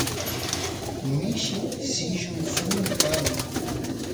mishi sillun suni kan